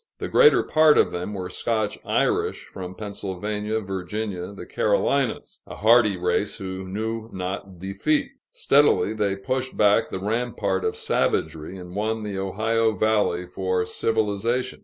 The greater part of them were Scotch Irish from Pennsylvania, Virginia, the Carolinas a hardy race, who knew not defeat. Steadily they pushed back the rampart of savagery, and won the Ohio valley for civilization.